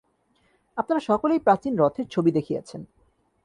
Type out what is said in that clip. আপনারা সকলেই প্রাচীন রথের ছবি দেখিয়াছেন।